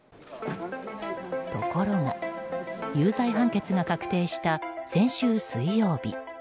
ところが有罪判決が確定した先週水曜日。